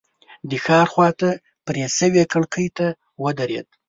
د ښار خواته پرې شوې کړکۍ ته ودرېد.